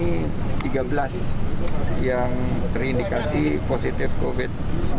serusara kita yang mengikuti rapi tes ini tiga belas yang terindikasi positif covid sembilan belas